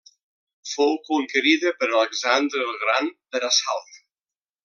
Fou conquerida per Alexandre el Gran per assalt.